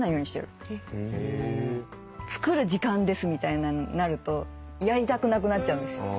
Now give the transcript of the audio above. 作る時間ですみたいになるとやりたくなくなっちゃうんですよ。